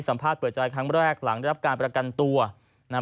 สัมภาษณ์เปิดใจครั้งแรกหลังรับการประกันตัวนาม